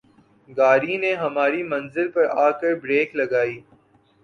گاڑی نے ہماری منزل پر آ کر بریک لگائی